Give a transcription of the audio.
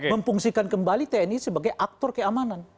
memfungsikan kembali tni sebagai aktor keamanan